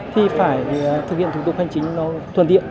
thì phải thực hiện thủ tục hành chính nó thuần tiện